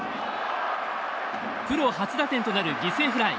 プロ初打点となる犠牲フライ。